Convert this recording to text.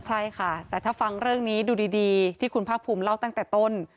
ใช่ค่ะแต่ถ้าฟังเรื่องนี้ดูดีที่คุณภาคภูมิเล่าตั้งแต่ต้น